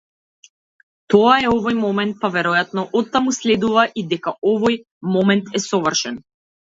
Тоа е овој момент-па веројатно оттаму следува и дека овој момент е совршен.